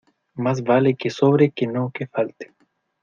Más vale que sobre que no que falte.